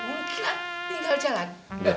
mulut kilat tinggal jalan